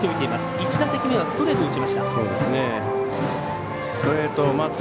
１打席目はストレートを打ちました。